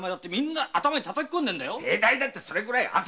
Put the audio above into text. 手代だってそのくらい。